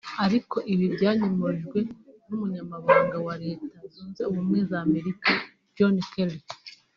Ariko ibi byanyomojwe n’Umunyamabanga wa Leta Zunze ubumwe za Amerika John Kelly